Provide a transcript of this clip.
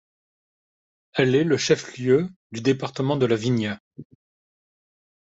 Elle est le chef-lieu du département de La Viña.